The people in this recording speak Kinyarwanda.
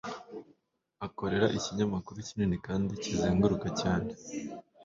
Akorera ikinyamakuru kinini kandi kizenguruka cyane.